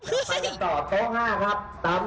กลับไปสอบโต๊ะ๕